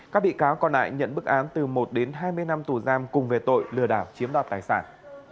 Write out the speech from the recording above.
các bị cáo còn lại nhận bức án từ một đến hai mươi năm tù giam cùng về tội lừa đảo chiếm đoạt tài sản